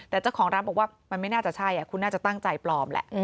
แต่เจ้าของร้านบอกว่ามันไม่น่าจะใช่คุณน่าจะตั้งใจปลอมแหละ